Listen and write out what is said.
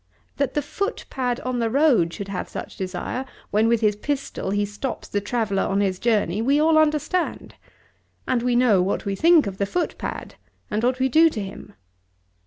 That the footpad on the road should have such desire when, with his pistol, he stops the traveller on his journey we all understand. And we know what we think of the footpad, and what we do to him.